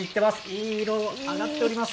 いい色に揚がっております。